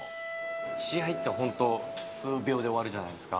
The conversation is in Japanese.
試合って、本当、数秒で終わるじゃないですか。